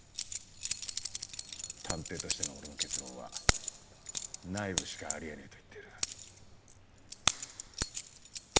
探偵としての俺の結論は内部しかあり得ねえと言ってる。